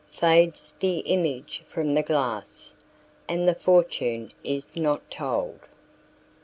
Fades the image from the glass, And the fortune is not told.